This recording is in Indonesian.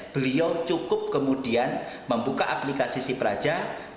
beliau cukup kemudian membuka aplikasi sipraja